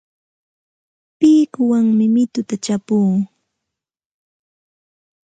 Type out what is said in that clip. Pikuwanmi mituta chapuu.